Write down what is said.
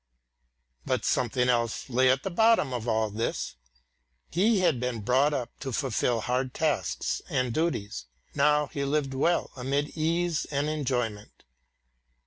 But something else lay at the bottom of all this. He had been brought up to fulfil hard tasks and duties. Now he lived well amid ease and enjoyment.